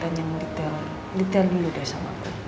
ceritain yang detail detail dulu deh sama aku